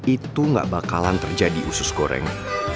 itu gak bakalan terjadi usus goreng